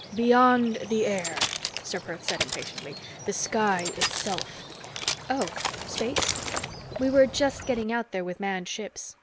"Beyond the air," Ser Perth said impatiently. "The sky itself!" "Oh space. We were just getting out there with manned ships.